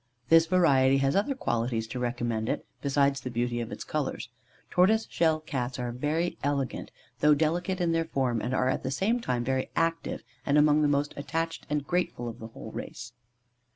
This variety has other qualities to recommend it, besides the beauty of its colours. Tortoise shell Cats are very elegant, though delicate in their form, and are, at the same time, very active, and among the most attached and grateful of the whole race.